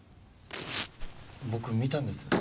僕見たんです。